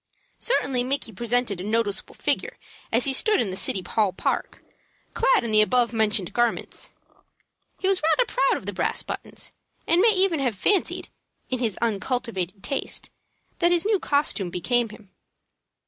Certainly Micky presented a noticeable figure as he stood in the City Hall Park, clad in the above mentioned garments. He was rather proud of the brass buttons, and may even have fancied, in his uncultivated taste, that his new costume became him.